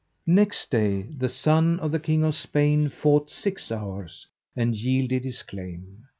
Next day the son of the king of Spain fought six hours, and yielded his claim.